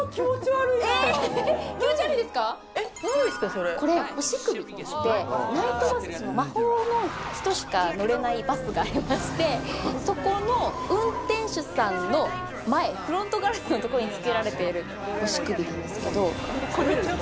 それこれ干し首といってナイトバス魔法の人しか乗れないバスがありましてそこの運転手さんの前フロントガラスのところにつけられている干し首なんですけどしゃべんのよ